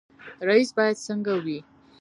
رئیس باید څنګه وي؟